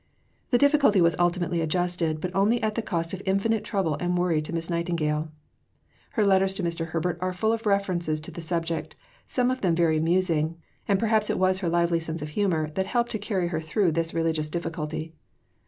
The difficulty was ultimately adjusted, but only at the cost of infinite trouble and worry to Miss Nightingale. Her letters to Mr. Herbert are full of references to the subject, some of them very amusing, and perhaps it was her lively sense of humour that helped to carry her through this religious difficulty.